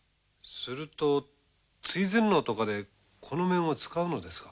すると追善能とかでこの面を使うのですか？